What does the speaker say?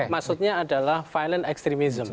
maksudnya adalah violent extremism